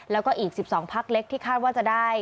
แล้วก็อีก๑๒พักเล็กที่คาดว่าจะได้